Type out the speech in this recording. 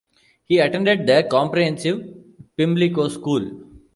He attended the comprehensive Pimlico School.